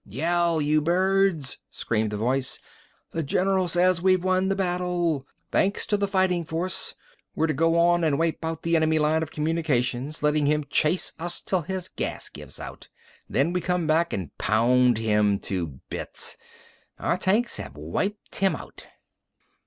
"Yell, you birds!" screamed the voice. "The general says we've won the battle! Thanks to the fighting force! We're to go on and wipe out the enemy line of communications, letting him chase us till his gas gives out! Then we come back and pound him to bits! Our tanks have wiped him out!"